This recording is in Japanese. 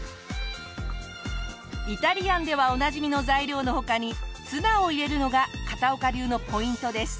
イタリアンではおなじみの材料の他にツナを入れるのが片岡流のポイントです。